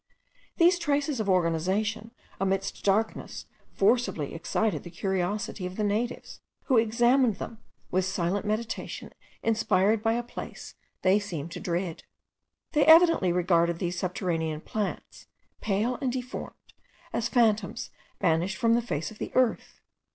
These traces of organization amidst darkness forcibly excited the curiosity of the natives, who examined them with silent meditation inspired by a place they seemed to dread. They evidently regarded these subterranean plants, pale and deformed, as phantoms banished from the face of the earth.